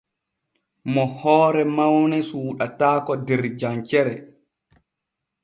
Mo hoore mawne suuɗataako der jancere.